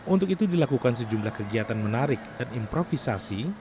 untuk itu dilakukan sejumlah kegiatan menarik dan improvisasi